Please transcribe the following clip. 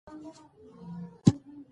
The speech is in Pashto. مفعول د فعل اغېز څرګندوي.